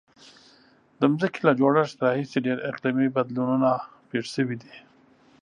د ځمکې له جوړښت راهیسې ډیر اقلیمي بدلونونه پیښ شوي دي.